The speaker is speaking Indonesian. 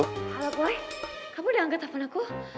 halo boy kamu udah angkat telfon aku